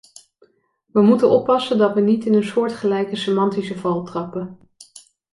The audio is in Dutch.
We moeten oppassen dat we niet in een soortgelijke semantische val trappen.